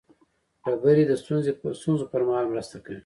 ډبرې د ستونزو پر مهال مرسته کوي.